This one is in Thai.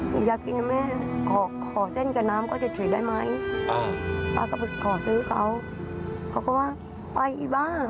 หนูอยากกินด้วยแม่ขอเส้นกับน้ำก็เฉียดได้ไหม